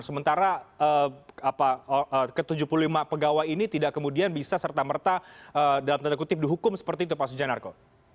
sementara ke tujuh puluh lima pegawai ini tidak kemudian bisa serta merta dalam tanda kutip dihukum seperti itu pak sujanarko